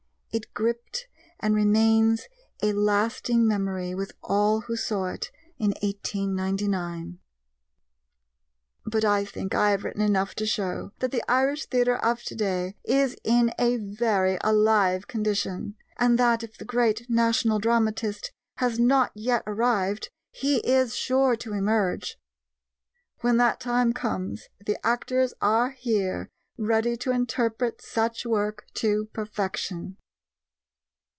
It gripped and remains a lasting memory with all who saw it in 1899. But I think I have written enough to show that the Irish Theatre of today is in a very alive condition, and that if the great National Dramatist has not yet arrived, he is sure to emerge. When that time comes, the actors are here ready to interpret such work to perfection.